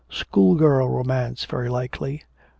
'School girl romance, very likely.'